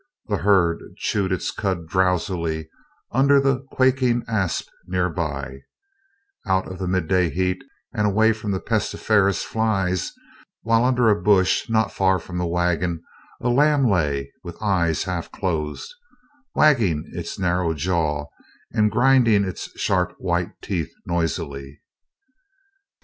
The herd chewed its cud drowsily under the quaking asp nearby, out of the mid day heat and away from pestiferous flies, while under a bush not far from the wagon a lamb lay with eyes half closed, waggling its narrow jaw, and grinding its sharp white teeth noisily.